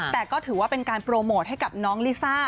แต่ก็ถือว่าเป็นการโปรโมทให้กับน้องลิซ่า